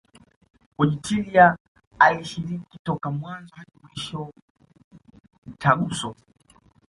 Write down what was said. Wojtyla alishiriki toka mwanzo hadi mwisho Mtaguso